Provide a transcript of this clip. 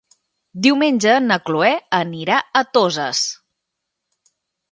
Diumenge na Chloé anirà a Toses.